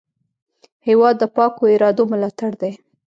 هېواد د پاکو ارادو ملاتړ دی.